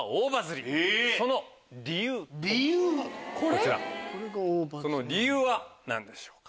こちらその理由は何でしょうか？